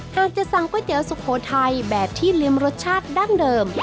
หากจะสั่งก๋วยเตี๋ยวสุโขทัยแบบที่ลืมรสชาติดั้งเดิม